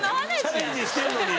チャレンジしてるのに。